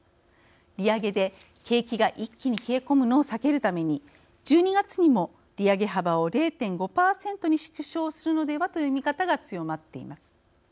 利上げで景気が一気に冷え込むのを避けるために１２月にも利上げ幅を０．５％に縮小するのではという見方が強まっています。